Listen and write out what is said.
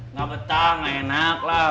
nggak betul nggak enaklah